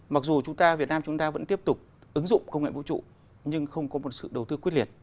mặc dù chúng ta việt nam chúng ta vẫn tiếp tục ứng dụng công nghệ vũ trụ nhưng không có một sự đầu tư quyết liệt